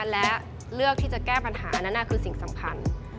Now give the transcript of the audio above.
และเลือกที่จะแก้ปัญหานั้นคือสิ่งสำคัญ